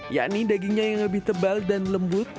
yakni dagingnya yang lebih tebal dan lembut